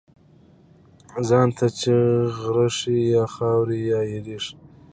ځان ته چی غره شی ، یا خاوري یا ايره شی .